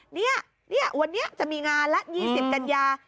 เนี่ยเนี่ยวันนี้จะมีงานล่ะ๒๐กัญญา